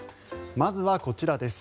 まずはこちらです。